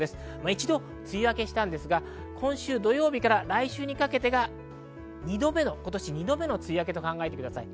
一度、梅雨明けしたんですが、今週土曜日から来週にかけてが今年２度目の梅雨明けと考えてください。